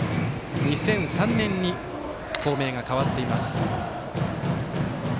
２００３年に校名が変わっています。